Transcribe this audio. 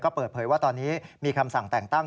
เปิดเผยว่าตอนนี้มีคำสั่งแต่งตั้ง